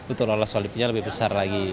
untuk lolos olimpia lebih besar lagi